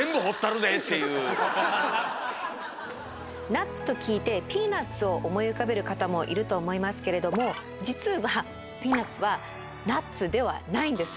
ナッツと聞いてピーナツを思い浮かべる方もいると思いますけれどもじつはピーナツはナッツではないんです。